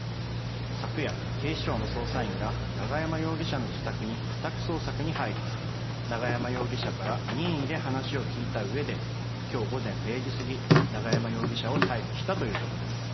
昨夜、警視庁の捜査員が、永山容疑者の自宅に家宅捜索に入り、永山容疑者から任意で話を聴いたうえで、きょう午前０時過ぎ、永山容疑者を逮捕したということです。